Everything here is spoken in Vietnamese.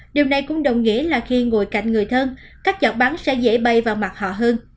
điều này cũng đồng nghĩa là khi ngồi cạnh người thân các chật bắn sẽ dễ bay vào mặt họ hơn